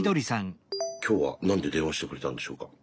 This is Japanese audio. きょうは何で電話してくれたんでしょうか？